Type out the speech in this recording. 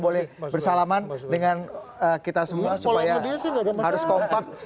boleh bersalaman dengan kita semua supaya harus kompak